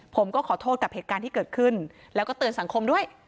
ผมก็ขอโทษกับเหตุการณ์ที่เกิดขึ้นแล้วก็เตือนสังคมด้วย